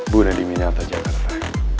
buatnya di minyata jakarta